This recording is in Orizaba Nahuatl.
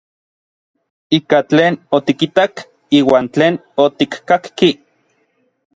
Ika tlen otikitak iuan tlen otikkakki.